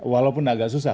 walaupun agak susah